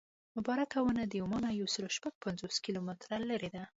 مبارکه ونه د عمان نه یو سل او شپږ پنځوس کیلومتره لرې ده.